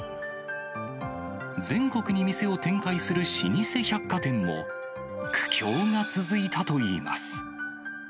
全国に店を展開する老舗百貨店も、苦境が続いたといいます。